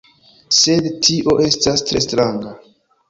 Sed tio estas tre stranga...